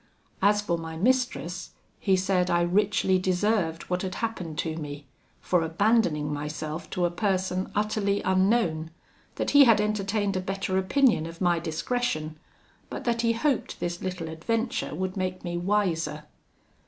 As for my mistress, he said I richly deserved what had happened to me, for abandoning myself to a person utterly unknown; that he had entertained a better opinion of my discretion; but that he hoped this little adventure would make me wiser.